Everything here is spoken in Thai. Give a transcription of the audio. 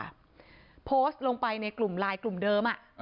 โพสต์ลงไปในกลุ่มไลน์กลุ่มเดิม